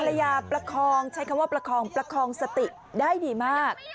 ประคองใช้คำว่าประคองประคองสติได้ดีมาก